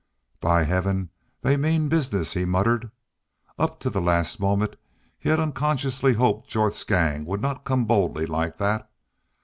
"By Heaven! They mean business!" he muttered. Up to the last moment he had unconsciously hoped Jorth's gang would not come boldly like that.